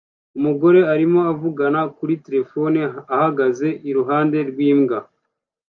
Umugore arimo avugana kuri terefone ahagaze iruhande rwimbwa